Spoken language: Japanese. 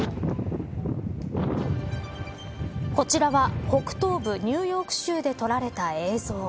こちらは、北東部ニューヨーク州で撮られた映像。